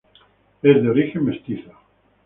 Es de origen mestizo.